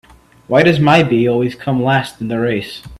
Why does my bee always come last in the race?